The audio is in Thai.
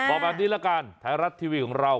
บอกแบบนี้ละกันไทยรัฐทีวีของเรา